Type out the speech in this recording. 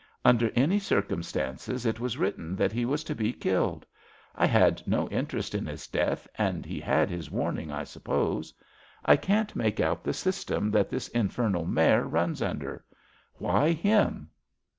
Under any circumstances it was written that he was to be killed. I had no interest in his death, and he had his warning, I suppose. I can't make out the sys tem that this infernal mare runs under. Why him?